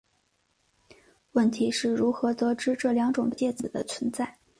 问题是如何得知这两种介子的存在。